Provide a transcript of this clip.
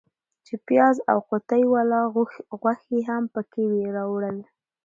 چې پیاز او قوطۍ والا غوښې هم پکې وې راوړل.